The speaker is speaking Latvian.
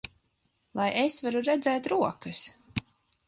Lai es varu redzēt rokas!